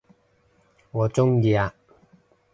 我鍾意啊